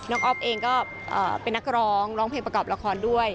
อ๊อฟเองก็เป็นนักร้องร้องเพลงประกอบละครด้วย